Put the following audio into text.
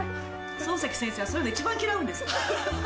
漱石先生はそういうの一番嫌うんですから。